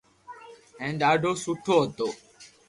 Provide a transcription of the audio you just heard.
ھين ڌاڌو سٺو ھتو